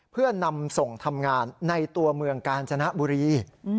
เพื่อนำส่งทำงานในตัวเมืองกาญจนบุรี